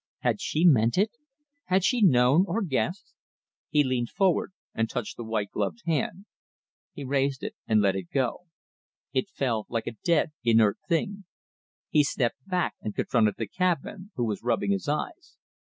Had she meant it? Had she known or guessed? He leaned forward and touched the white gloved hand. He raised it and let go. It fell like a dead, inert thing. He stepped back and confronted the cabman, who was rubbing his eyes.